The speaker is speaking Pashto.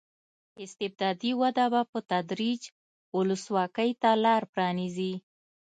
استبدادي وده به په تدریج ولسواکۍ ته لار پرانېزي.